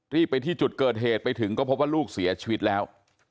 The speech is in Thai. รีบไปที่จุดเกิดเหตุไปถึงก็พบว่าลูกเสียชีวิตแล้ว